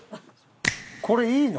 これいいの？